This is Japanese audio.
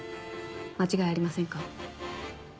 間違いありませんか？